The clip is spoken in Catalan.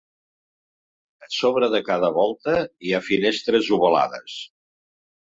A sobre de cada volta hi ha finestres ovalades.